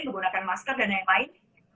menggunakan masker dan lain lain